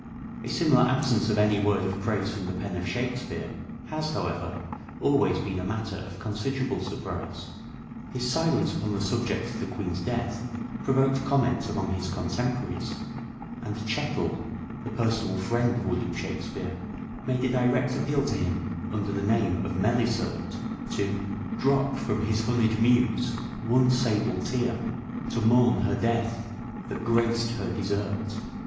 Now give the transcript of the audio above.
A similar absence of any word of praise from the pen of Shakespeare has, however, always been a matter of considerable surprise. His silence upon the subject of the Queen's death provoked comment among his contemporaries, and Chettle, the personal " friend " of William Shakspere, made a direct appeal to him under the name of Melicert to, " Drop from his honeyed muse one sable tear To mourn her death that graced her desert."